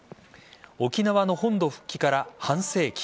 沖縄の本土復帰から半世紀。